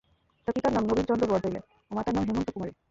তার পিতার নাম নবীন চন্দ্র বরদলৈ ও মাতার নাম হেমন্ত কুমারী।